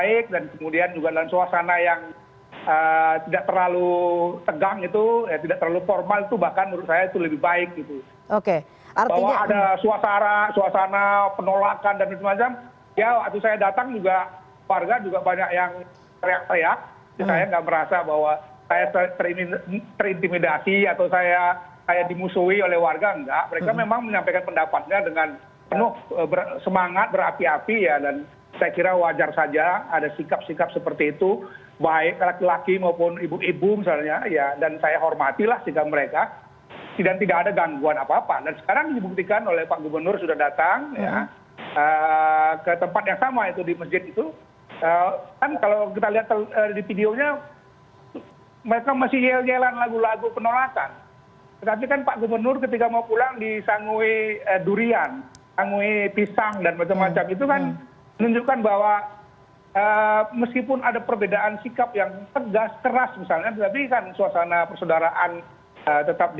ini seperti yang disampaikan oleh dirilisnya komisioner bk olong hapsara yang menyampaikan hal tersebut